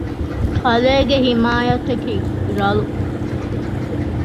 ކަލޭގެ ޙިމާޔަތަކީ ރަލު